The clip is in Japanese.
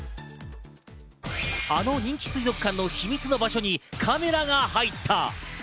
あの人気水族館の秘密の場所にカメラが入った。